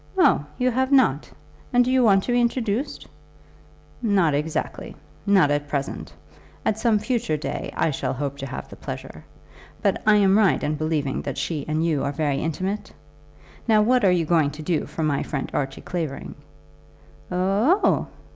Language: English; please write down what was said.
"Oh, you have not; and do you want to be introduced?" "Not exactly, not at present; at some future day I shall hope to have the pleasure. But I am right in believing that she and you are very intimate? Now what are you going to do for my friend Archie Clavering?" "Oh h h!"